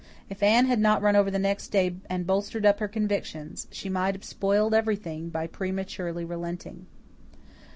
If Anne had not run over the next day and bolstered up her convictions, she might have spoiled everything by prematurely relenting.